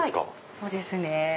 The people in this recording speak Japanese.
そうですね。